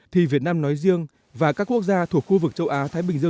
thì việt nam nói riêng và các quốc gia thuộc khu vực châu á